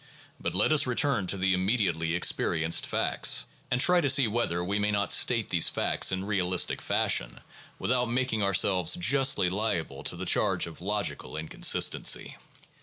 But let us return to the immediately experienced facts, and try to see whether we may not state these facts in realistic fashion without making ourselves justly liable to the charge of logical incon sistency.